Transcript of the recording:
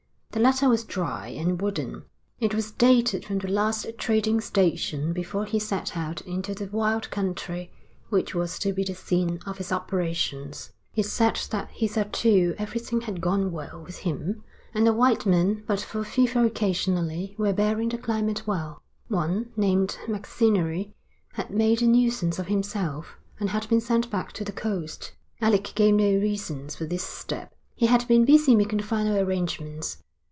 The letter was dry and wooden. It was dated from the last trading station before he set out into the wild country which was to be the scene of his operations. It said that hitherto everything had gone well with him, and the white men, but for fever occasionally, were bearing the climate well. One, named Macinnery, had made a nuisance of himself, and had been sent back to the coast. Alec gave no reasons for this step. He had been busy making the final arrangements.